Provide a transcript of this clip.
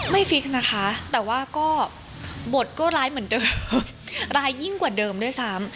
ฟิกนะคะแต่ว่าก็บทก็ร้ายเหมือนเดิมร้ายยิ่งกว่าเดิมด้วยซ้ำ